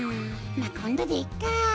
まあこんどでいっか。